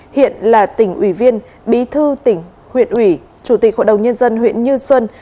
hiện là tỉnh ủy viên bí thư tỉnh huyện ủy chủ tịch hội đồng nhân dân huyện như xuân